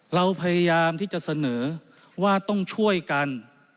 เราพยายามที่จะเสนอว่าต้องช่วยกัน